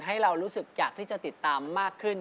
ให้เรารู้สึกอยากที่จะติดตามมากขึ้น